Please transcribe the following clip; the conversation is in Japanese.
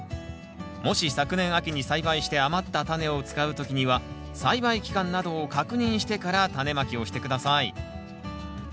もし昨年秋に栽培して余ったタネを使う時には栽培期間などを確認してからタネまきをして下さい。